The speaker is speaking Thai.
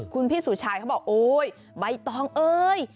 คุณพี่สุชายเขาบอกโอ๊ยใบตองเอ้ย